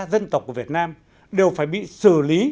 dân tộc của việt nam đều phải bị xử lý